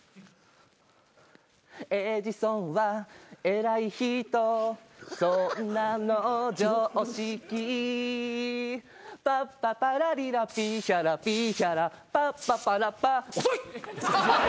「エジソンはえらい人そんなの常識」「パッパパラリラピーヒャラピーヒャラパッパパラパ」遅い！